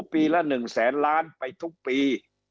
ปีละ๑๐๐๐๐๐ล้านบาทไปทุกปี